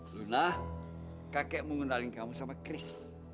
lina kakek mau ngendaliin kamu sama chris